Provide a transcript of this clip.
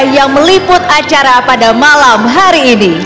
yang meliput acara pada malam hari ini